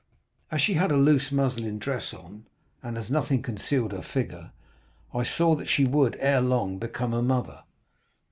As she had a loose muslin dress on and as nothing concealed her figure, I saw she would ere long become a mother.